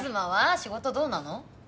仕事どうなの？